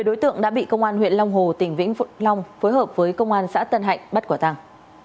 một mươi đối tượng đã bị công an huyện long hồ tỉnh vĩnh phụt long phối hợp với công an xã tân hạnh bắt quả tàng